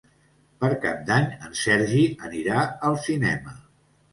Per Cap d'Any en Sergi anirà al cinema.